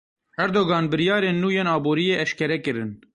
Erdogan biryarên nû yên aboriyê eşkere kirin.